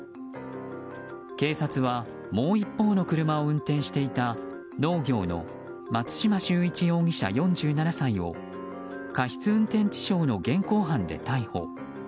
警察はもう一方の車を運転していた農業の松島秀一容疑者、４７歳を過失運転致傷の現行犯で逮捕。